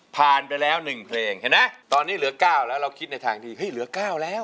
ผ่านไปแล้ว๑เพลงเห็นไหมตอนนี้เหลือ๙แล้วเราคิดในทางที่เฮ้ยเหลือ๙แล้ว